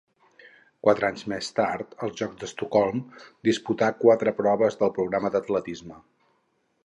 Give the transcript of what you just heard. Quatre anys més tard, als Jocs d'Estocolm, disputà quatre proves del programa d'atletisme.